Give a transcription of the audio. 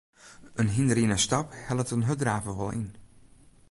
In hynder yn 'e stap hellet in hurddraver wol yn.